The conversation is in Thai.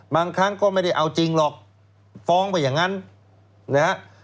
บางครั้งก็ไม่ได้เอาจริงหรอกฟ้องไปอย่างนั้นนะฮะ